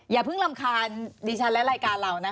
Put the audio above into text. อย่าเพิ่งรำคาญดิฉันและรายการเรานะ